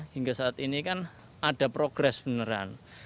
hingga saat ini kan ada progres beneran